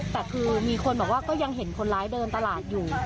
แต่คือมีคนบอกว่าก็ยังเห็นคนร้ายเดินตลาดอยู่